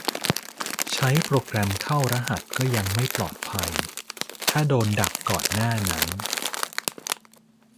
ใช้โปรแกรมเข้ารหัสก็ยังไม่ปลอดภัย ถ้าโดนดักก่อนหน้านั้น